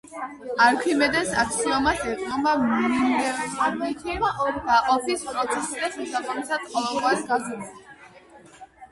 არქიმედეს აქსიომას ეყრდნობა მიმდევრობითი გაყოფის პროცესი და შესაბამისად, ყოველგვარი გაზომვა.